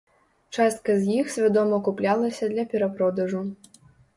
Частка з іх свядома куплялася для перапродажу.